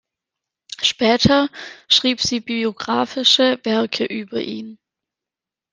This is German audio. Später schrieb sie biografische Werke über ihn.